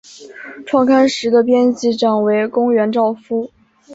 创刊时的编辑长为宫原照夫。